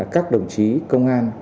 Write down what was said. các đồng chí công an